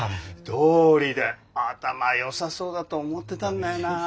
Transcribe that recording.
どうりで頭よさそうだと思ってたんだよなあ。